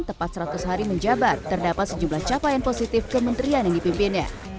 tepat seratus hari menjabat terdapat sejumlah capaian positif kementerian yang dipimpinnya